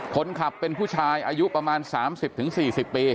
คนขับเป็นผู้ชายอายุประมาณ๓๐๔๐ปี